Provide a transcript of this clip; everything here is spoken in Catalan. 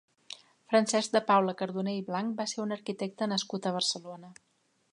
Francesc de Paula Cardoner i Blanch va ser un arquitecte nascut a Barcelona.